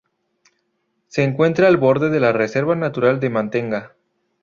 Se encuentra al borde de la Reserva Natural de Mantenga.